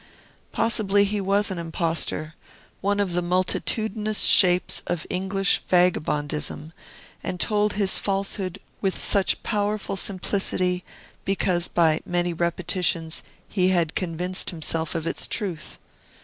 Possibly he was an impostor, one of the multitudinous shapes of English vagabondism, and told his falsehood with such powerful simplicity, because, by many repetitions, he had convinced himself of its truth.